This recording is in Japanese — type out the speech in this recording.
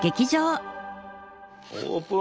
オープン！